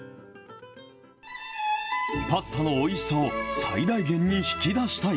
パスタのおいしさを最大限に引き出したい。